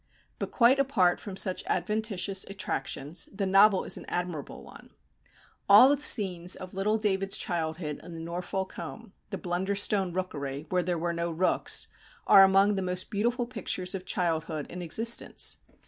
But quite apart from such adventitious attractions, the novel is an admirable one. All the scenes of little David's childhood in the Norfolk home the Blunderstone rookery, where there were no rooks are among the most beautiful pictures of childhood in existence.